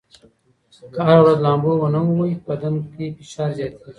که هره ورځ لامبو ونه ووهئ، بدن کې فشار زیاتېږي.